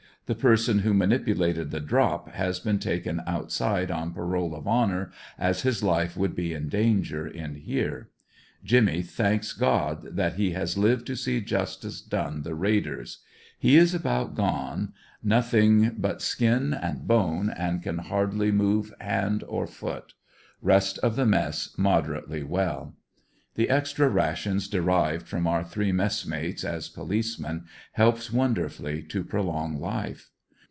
The person who man ipulated the *' drop," has been taken outside on parole of honor, as his life would be in danger in here. Jimmy thanks God that he has lived to see justice done the raiders; he is about gone — nothing but skin and bone and can hardly move hand or foot ; rest of the mess moderately well. The extra rations derived from our three mess mates as policemen, helps wonderfully to prolong life.